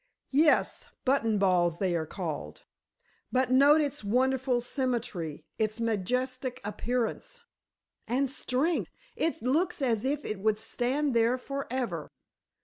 "Yes, buttonballs, they are called. But note its wonderful symmetry, its majestic appearance——" "And strength! It looks as if it would stand, there forever!"